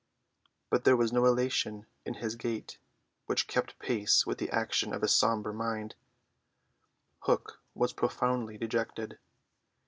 But there was no elation in his gait, which kept pace with the action of his sombre mind. Hook was profoundly dejected.